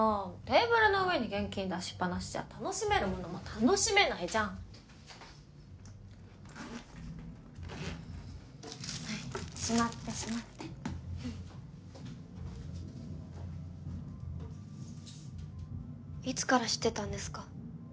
テーブルの上に現金出しっ放しじゃ楽しめるものも楽しめないじゃんはいしまってしまっていつから知ってたんですか？